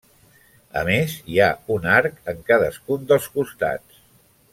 A més hi ha un arc en cadascun dels costats.